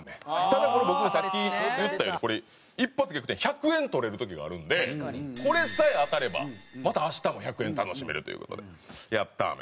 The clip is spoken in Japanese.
ただこれ僕がさっき言ったようにこれ一発逆転１００円取れる時があるんでこれさえ当たればまた明日も１００円楽しめるという事でヤッター！